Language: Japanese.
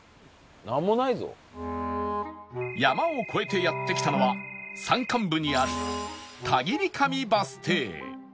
山を越えてやって来たのは山間部にある田切上バス停